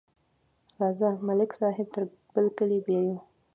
راځه، ملک صاحب تر برکلي بیایو.